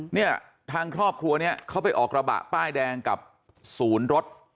เนี่ยทางครอบครัวเนี่ยเขาไปออกกระบะป้ายแดงกับศูนย์รถ